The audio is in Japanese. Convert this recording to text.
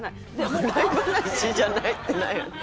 「笑い話じゃない」ってなんやねん。